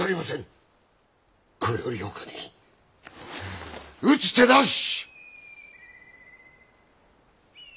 これよりほかに打つ手なし！